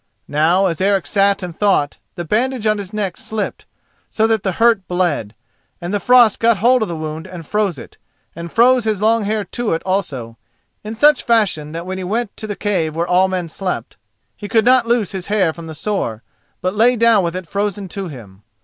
Now as Eric sat and thought, the bandage on his neck slipped, so that the hurt bled, and the frost got hold of the wound and froze it, and froze his long hair to it also, in such fashion that when he went to the cave where all men slept, he could not loose his hair from the sore, but lay down with it frozen to him.